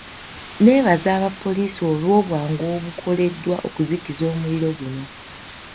Neebaza aba poliisi olw'obwangu obukoleddwa okuzikiza omuliro guno.